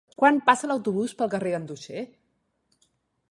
Quan passa l'autobús pel carrer Ganduxer?